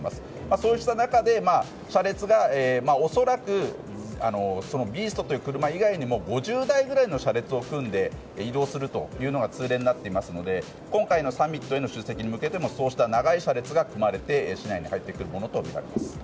そうした中で、車列が恐らく「ビースト」という車以外にも５０台ぐらいの車列を組んで移動するというのが通例になっていますので今回のサミットへの出席に向けても長い車列が組まれて市内に入ってくるものとみられます。